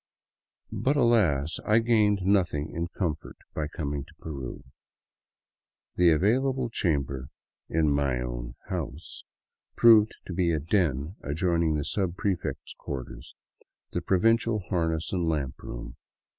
But alas, I had gained nothing in comfort by coming to Peru. The available chamber in " my own house " proved to be a den adjoining the subpre feet's quarters, the provincial harness and lamp room.